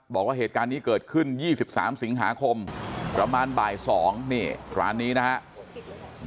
บอกว่าเหตุการณ์นี้เกิดขึ้น๒๓สิงหาคมประมาณบ่าย๒นี่ร้านนี้นะครับ